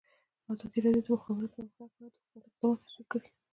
ازادي راډیو د د مخابراتو پرمختګ په اړه د حکومت اقدامات تشریح کړي.